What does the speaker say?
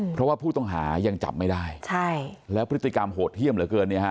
เพราะว่าผู้ต้องหายังจับไม่ได้และพฤติกรรมโหดเยี่ยมเหลือเกิน